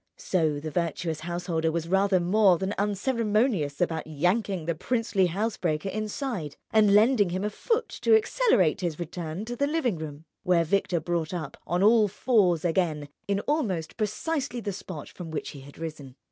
So the virtuous householder was rather more than unceremonious about yanking the princely housebreaker inside and lending him a foot to accelerate his return to the living room; where Victor brought up, on all fours again, in almost precisely the spot from which he had risen.